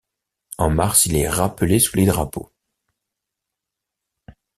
En mars, il est rappelé sous les drapeaux.